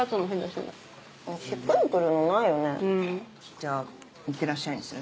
じゃあ「いってらっしゃい」にする？